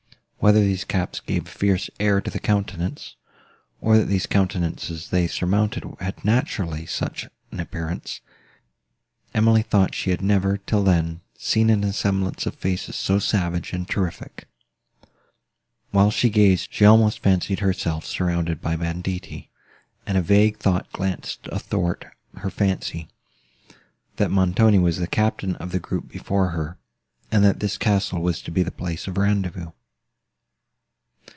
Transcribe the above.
Whether these caps gave a fierce air to the countenance, or that the countenances they surmounted had naturally such an appearance, Emily thought she had never, till then, seen an assemblage of faces so savage and terrific. While she gazed, she almost fancied herself surrounded by banditti; and a vague thought glanced athwart her fancy—that Montoni was the captain of the group before her, and that this castle was to be the place of rendezvous.